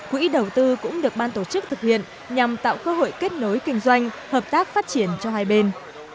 quỹ đầu tư cũng được ban tổ chức thực hiện nhằm tạo cơ hội kết nối kinh doanh hợp tác phát triển cho hai bên